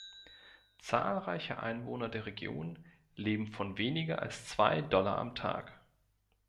Zahlreiche Einwohner der Region leben von weniger als zwei Dollar am Tag.